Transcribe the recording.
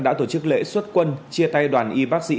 đã tổ chức lễ xuất quân chia tay đoàn y bác sĩ